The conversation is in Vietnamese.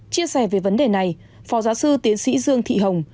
chia sẻ về vấn đề này phó giáo sư tiến sĩ dương thị hồng